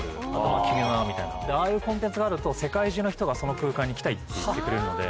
ああいうコンテンツがあると世界中の人がその空間に来たいって言ってくれるので。